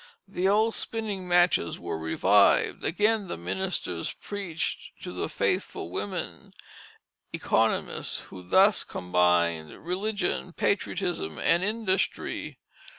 The old spinning matches were revived. Again the ministers preached to the faithful women "Oeconomists," who thus combined religion, patriotism, and industry.